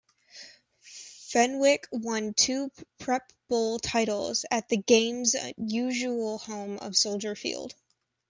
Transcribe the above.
Fenwick won two Prep Bowl titles at the game's usual home of Soldier Field.